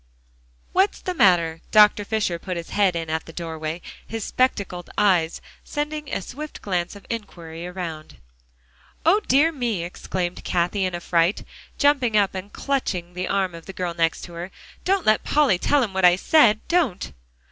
"What's the matter?" Dr. Fisher put his head in at the doorway, his spectacled eyes sending a swift glance of inquiry around. "O dear me!" exclaimed Cathie in a fright, jumping up and clutching the arm of the girl next to her. "Don't let Polly tell him what I said don't."